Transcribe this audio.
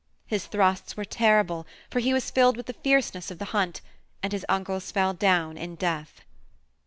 His thrusts were terrible, for he was filled with the fierceness of the hunt, and his uncles fell down in death.